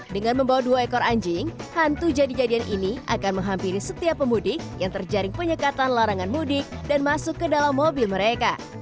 dengan membawa dua ekor anjing hantu jadi jadian ini akan menghampiri setiap pemudik yang terjaring penyekatan larangan mudik dan masuk ke dalam mobil mereka